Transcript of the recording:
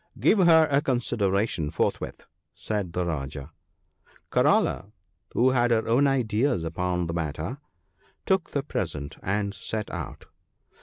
" Give her a consideration forthwith," said the Rajah. ' Karala, who had her own ideas upon the matter, took the present and set out.